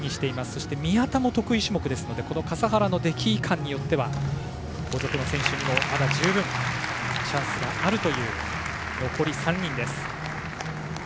そして、宮田も得意種目ですのでこの笠原の出来によっては後続の選手にもまだ十分チャンスがあるという残り３人です。